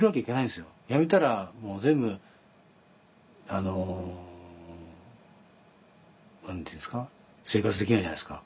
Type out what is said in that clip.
やめたらもう全部あの何て言うんですか生活できないじゃないですか。